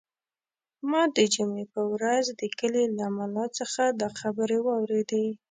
ما د جمعې په ورځ د کلي له ملا څخه دا خبرې واورېدې.